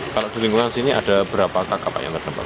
kalau di lingkungan sini ada berapa kakak yang terdampak